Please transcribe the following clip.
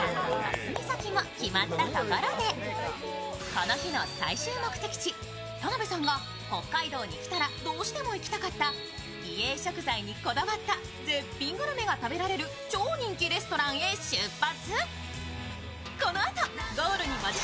この日の最終目的地田辺さんが北海道に来たらどうしても行きたかった美瑛食材にこだわった絶品グルメが食べられる超人気レストランへ出発！